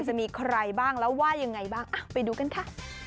จะมีใครบ้างแล้วว่ายังไงบ้างไปดูกันค่ะ